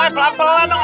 aduh pelan pelan dong